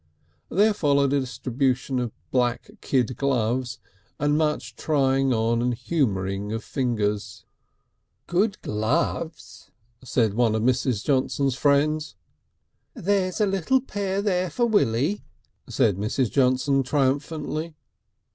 There followed a distribution of black kid gloves, and much trying on and humouring of fingers. "Good gloves," said one of Mrs. Johnson's friends. "There's a little pair there for Willie," said Mrs. Johnson triumphantly.